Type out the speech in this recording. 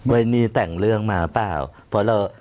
ว่าอันนี้แต่งเรื่องมาหรือเปล่า